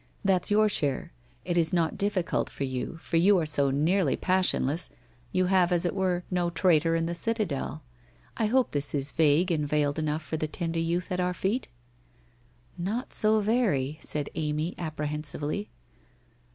That's your share. It is not difficult for you, for you are so nearly passionless, you have as it were no traitor in the citadel. I hope this is vague and veiled enough for the tender youth at our feet ?'' Not so very,' said Amy, apprehensively.